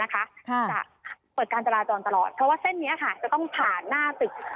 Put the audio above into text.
จะเปิดการจราจรตลอดเพราะว่าเส้นนี้ค่ะจะต้องผ่านหน้าตึก